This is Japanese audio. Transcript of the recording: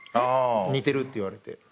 似てるって言われて。